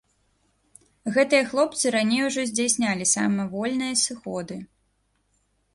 Гэтыя хлопцы раней ужо здзяйснялі самавольныя сыходы.